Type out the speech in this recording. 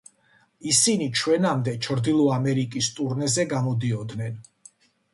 ისინი ჩვენამდე ჩრდილო ამერიკის ტურნეზე გამოდიოდნენ.